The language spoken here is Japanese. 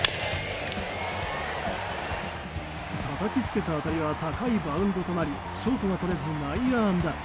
たたきつけた当たりは高いバウンドとなりショートがとれず内野安打。